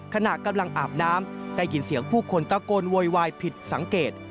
ขณะกำลังอาบน้ำได้ยินเสียงผู้คนตะโกนโวยวายผิดสังเกต